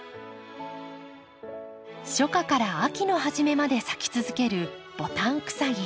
初夏から秋の初めまで咲き続けるボタンクサギ。